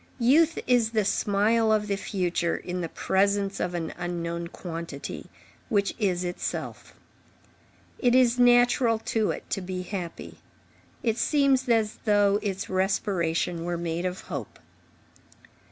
Youth is the smile of the future in the presence of an unknown quantity, which is itself. It is natural to it to be happy. It seems as though its respiration were made of hope.